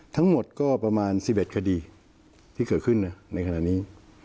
ทั้งหมดก็ประมาณ๑๑คดีที่เกิดขึ้นนะในขณะนี้